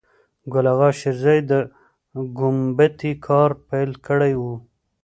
ګل آغا شېرزی د ګومبتې کار پیل کړی و.